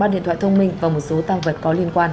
ba điện thoại thông minh và một số tăng vật có liên quan